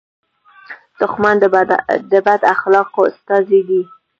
دښمن د بد اخلاقو استازی دی